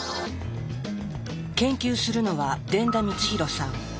研究するのは傳田光洋さん。